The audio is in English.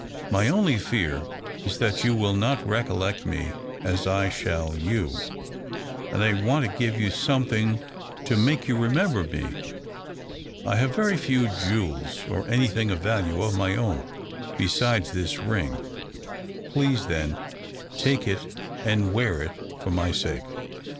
My only fear is that you will not recollect me as I shall you; and I want to give you something to make you remember me. I have very few jewels or any thing of value of my own, besides this ring. Please, then, take it and wear it for my sake."